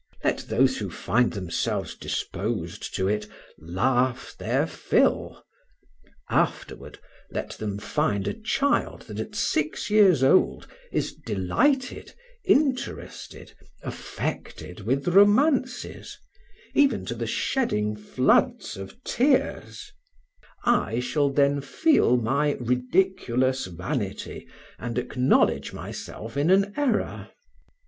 Let those who find themselves disposed to it, laugh their fill; afterward, let them find a child that at six years old is delighted, interested, affected with romances, even to the shedding floods of tears; I shall then feel my ridiculous vanity, and acknowledge myself in an error.